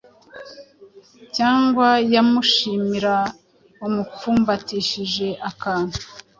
cyangwa yamushimira amupfumbatishije akantu